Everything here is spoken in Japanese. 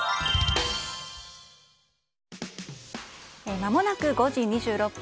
まもなく５時２６分。